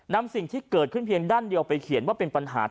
นำสิ่งที่เกิดขึ้นเพียงด้านเดียวไปเขียนว่าเป็นปัญหา